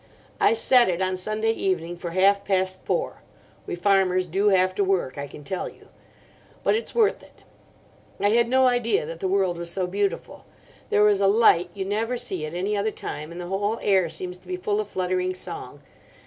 I set it on Sunday evening for half past four—we farmers do have to work, I can tell you. But it's worth it. I had no idea that the world was so beautiful. There is a light you never see at any other time, and the whole air seems to be full of fluttering song.